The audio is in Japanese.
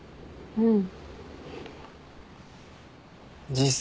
うん。